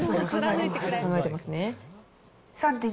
考えてますね。